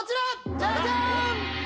ジャジャーン！